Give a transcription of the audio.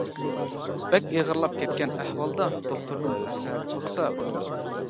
بەك ئېغىرلاپ كەتكەن ئەھۋالدا دوختۇردىن مەسلىھەت سورىسا بولىدۇ.